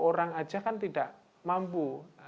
dua puluh orang saja kan tidak mampu